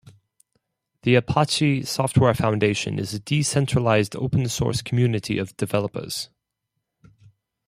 The Apache Software Foundation is a decentralized open source community of developers.